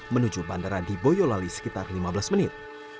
menuju bandara di boyolali sekitar lima belas menit